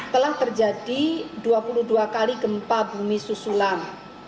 telah terjadi dua puluh dua kali gempa bumi susulan